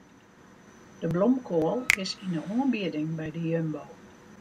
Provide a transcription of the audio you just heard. De blomkoal is yn de oanbieding by de Jumbo.